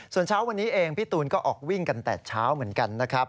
ส่วนเช้าวันนี้เองพี่ตูนก็ออกวิ่งกันแต่เช้าเหมือนกันนะครับ